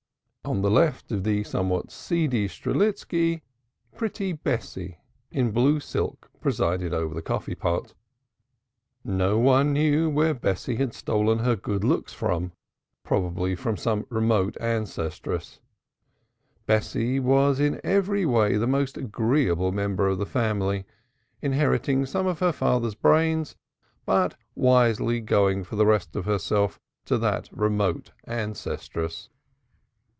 On the left of the somewhat seedy Strelitski pretty Bessie in blue silk presided over the coffee pot. Nobody knew whence Bessie had stolen her good looks: probably some remote ancestress! Bessie was in every way the most agreeable member of the family, inheriting some of her father's brains, but wisely going for the rest of herself to that remote ancestress.